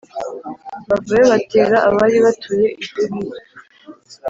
Bavayo batera abari batuye i Debiri.